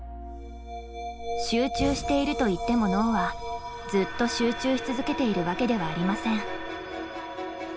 集中しているといっても脳はずっと集中し続けているわけではありません。